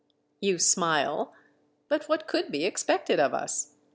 You smile? But what could be expected of us?